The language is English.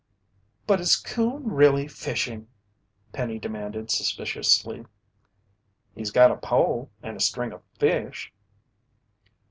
"But is Coon really fishing?" Penny demanded suspiciously. "He's got a pole and a string o' fish."